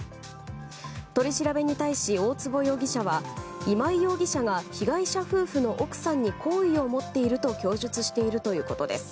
取り調べに対し大坪容疑者は今井容疑者が被害者夫婦の奥さんに好意を持っていると供述しているということです。